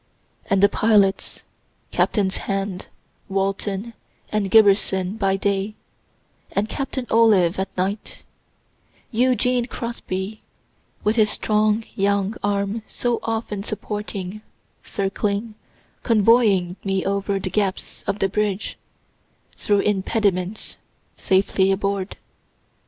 And the pilots captains Hand, Walton, and Giberson by day, and captain Olive at night; Eugene Crosby, with his strong young arm so often supporting, circling, convoying me over the gaps of the bridge, through impediments, safely aboard.